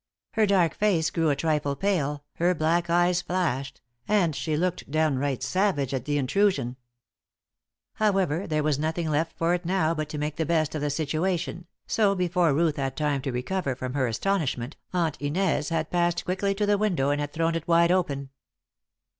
Her dark face grew a trifle pale, her black eyes flashed, and she looked downright savage at the intrusion. However, there was nothing left for it now but to make the best of the situation, so before Ruth had time to recover from her astonishment, Aunt Inez had passed quickly to the window and had thrown it wide open.